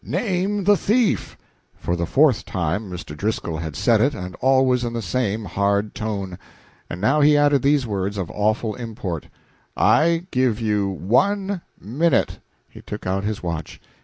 "Name the thief!" For the fourth time Mr. Driscoll had said it, and always in the same hard tone. And now he added these words of awful import: "I give you one minute" he took out his watch.